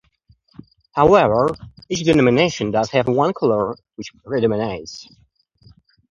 However, each denomination does have one colour which predominates.